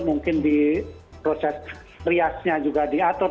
mungkin di proses riasnya juga diatur